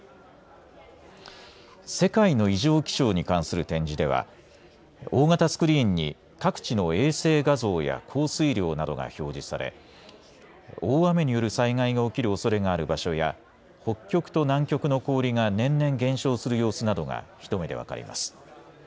世界の異常気象に関する展示では大型スクリーンに各地の衛星画像や降水量などが表示され大雨による災害が起きるおそれがある場所や北極と南極の氷が年々減少する様子などが一目で分かります。